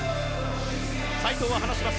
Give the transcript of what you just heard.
斎藤は話します。